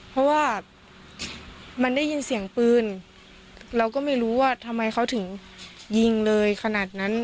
เพราะว่ามันได้ยินเสียงปืนเราก็ไม่รู้ว่าทำไมเขาถึงยิงเลยขนาดนั้น